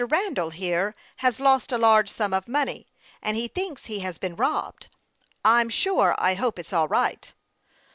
Randall, here, has lost a large sum of money, and he thinks he has been robbed. I'm sure I hope it's all right."